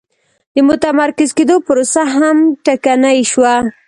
د متمرکز کېدو پروسه هم ټکنۍ شوه.